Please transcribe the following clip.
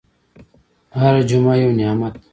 هره جمعه یو نعمت ده.